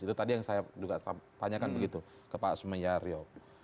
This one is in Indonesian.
itu tadi yang saya juga tanyakan begitu ke pak sumeyario